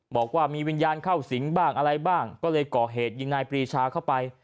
บอกว่ามีวิญญาณเข้าสิงบ้างอะไรบ้างก็เลยก่อเหตุยิงนายปรีชาเข้าไป